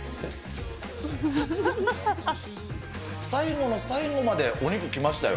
最後の最後までお肉来ましたよ。